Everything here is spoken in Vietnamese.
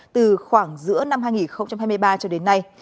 từ khoảng giữa năm hai nghìn hai mươi ba cho đến nay